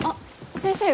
先生。